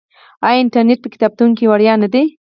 آیا انټرنیټ په کتابتون کې وړیا نه دی؟